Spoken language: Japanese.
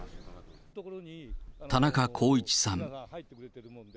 田中公一さん。